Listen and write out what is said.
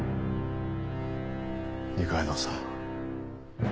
二階堂さん。